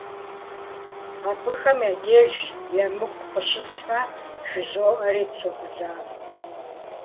Абыхэм я деж емыкӀу къыщысхьмэ жызоӀэри согузавэ.